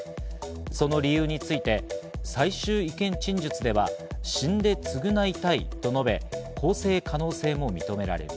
その理由について最終意見陳述では死んで償いたいと述べ、更正可能性も認められる。